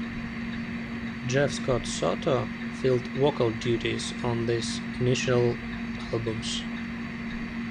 Jeff Scott Soto filled vocal duties on these initial albums.